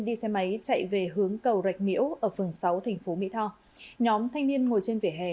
đi xe máy chạy về hướng cầu rạch miễu ở phường sáu thành phố mỹ tho nhóm thanh niên ngồi trên vỉa hè